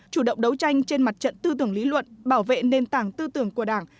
chủ động đấu tranh trên mặt trận tư tưởng lý luận bảo vệ nền tảng tư tưởng của đảng